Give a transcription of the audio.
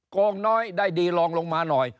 โกงน้อยได้ดีลองลงมาหน่อย